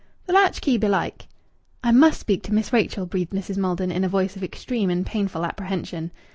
"Th' latch key belike." "I must speak to Miss Rachel," breathed Mrs. Maldon in a voice of extreme and painful apprehension.